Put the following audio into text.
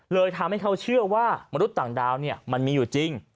เลยทำให้เขาเชื่อว่ามนุษย์ต่างดาวมันมีอยู่จริง